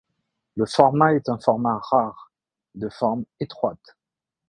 Le format est un format rare, de forme étroite.